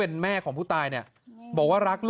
พ่อไปฟังหน่อยครับ